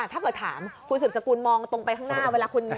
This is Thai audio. ถ้าเกิดถามคุณสืบสกุลมองตรงไปข้างหน้าเวลาคุณ